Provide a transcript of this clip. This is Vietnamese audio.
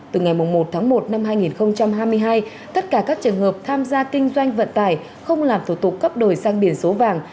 từ ngày một tháng một năm hai nghìn hai mươi hai tất cả các trường hợp tham gia kinh doanh vận tải không làm thủ tục cấp đổi sang biển số vàng